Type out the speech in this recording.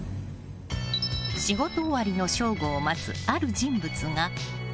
仕事終わりの省吾を待つある人物が。